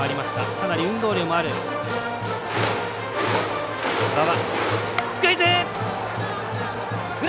かなり運動量もある馬場。